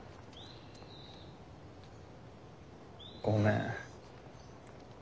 ごめん。